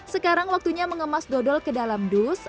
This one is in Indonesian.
sekarang waktunya mengemas dodol ke dalam dus